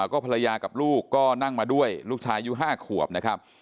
ก็ภรรยากับลูกก็นั่งมาด้วยลูกชายอายุ๕ขวบนะครับ